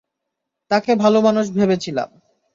তাকে ভালো মানুষ ভেবেছিলাম।